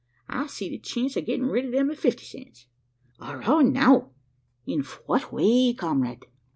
I seed a chence o' gitting rid o' them at fifty cents." "Arrah, now! in fwhat way, comrade?"